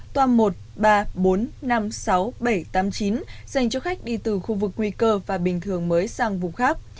toa một ba bốn năm sáu bảy tám chín dành cho khách đi từ khu vực nguy cơ và bình thường mới sang vùng khác